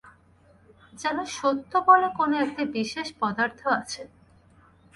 যেন সত্য বলে কোনো-একটা বিশেষ পদার্থ আছে।